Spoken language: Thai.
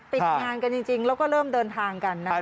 ติดงานกันจริงแล้วก็เริ่มเดินทางกันนะคะ